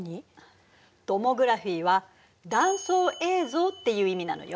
トモグラフィーは「断層映像」っていう意味なのよ。